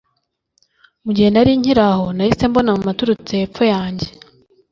Mu gihe nari nkiraho nahise mbona mama aturutse yepfo yanjye